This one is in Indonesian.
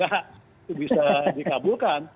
itu bisa dikabulkan